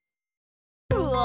うわ！